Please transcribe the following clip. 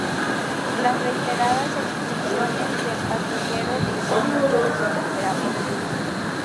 Las reiteradas expulsiones del ‘Patrullero’ dicen mucho de su temperamento.